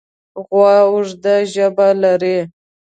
غوا اوږده ژبه لري.